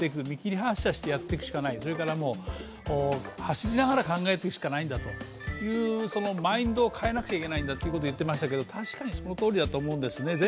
見切り発車やっていくしかない、それから走りながら考えていくしかないんだと、マインドを変えなくちゃいけないだということをいっていましたが、そのとおりだと思うんですね。